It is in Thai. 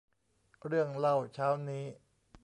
เรื่องเล่าเช้านี้